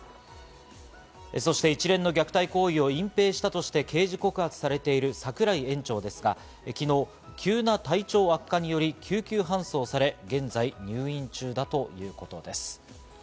そして一連の虐待行為を隠蔽したとして刑事告発されている櫻井園長ですが、昨日、急な体調悪化により救急搬送され、現在入院中だということです。